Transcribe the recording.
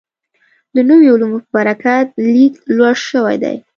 د نویو علومو په برکت لید لوړ شوی دی.